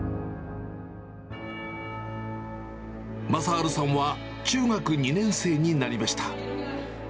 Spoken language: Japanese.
雅治さんは、中学２年生になりました。